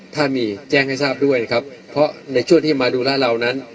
ถ้ามีแจ้งให้ทราบด้วยนะครับเพราะในช่วงที่มาดูร้านเรานั้น